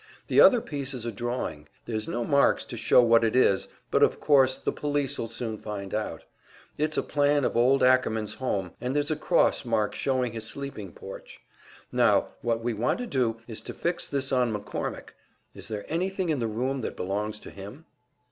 The other piece is a drawing; there's no marks to show what it is, but of course the police'll soon find out. It's a plan of old Ackerman's home, and there's a cross mark showing his sleeping porch. Now, what we want to do is to fix this on McCormick. Is there anything in the room that belongs to him?"